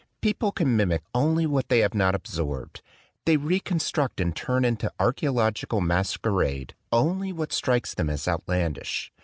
People can mimic only what they have not ab sorbed. They reconstruct and turn into archae ological masquerade only what strikes them as outlandish.